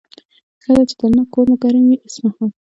ښه ده چې دننه کور مو ګرم وي اوسمهال.